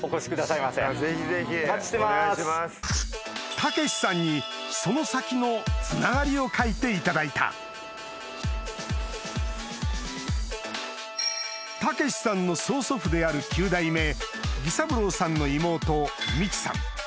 剛さんにその先のつながりを描いていただいた剛さんの曽祖父である９代目儀三郎さんの妹ミチさん